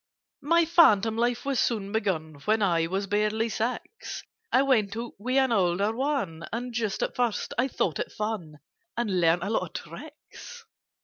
"My phantom life was soon begun: When I was barely six, I went out with an older one— And just at first I thought it fun, And learned a lot of tricks.